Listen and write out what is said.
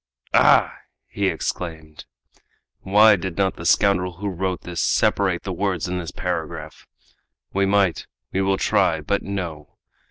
"Ah!" he exclaimed, "why did not the scoundrel who wrote this separate the words in this paragraph? We might we will try but no!